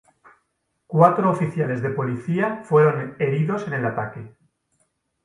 Cuatro oficiales de policía fueron heridos en el ataque.